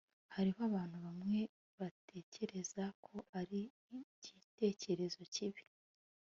hariho abantu bamwe batekereza ko ari igitekerezo kibi